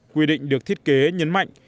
quy định được thiết kế nhấn mạnh